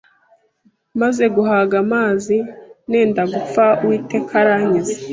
maze guhaga amazi nenda gupfa, Uwiteka arankiza.